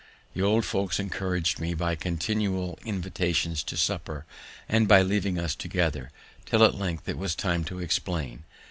The old folks encourag'd me by continual invitations to supper, and by leaving us together, till at length it was time to explain.